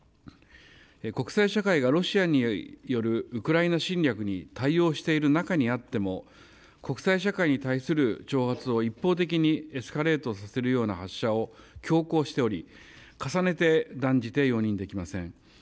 国際社会がロシアによるウクライナ侵略に対応している中にあっても、国際社会に対する挑発を一方的にエスカレートさせるような発射を強行しており、重ねて断じて容認できません。